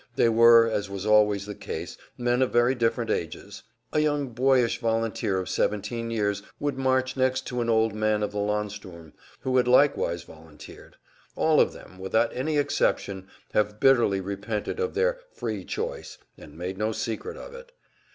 They were, as was always the case, men of very different ages; a young boyish volunteer of 17 years would march next to an old man of the landsturm who had likewise volunteered. All of them, without any exception, have bitterly repented of their "free choice" and made no secret of it.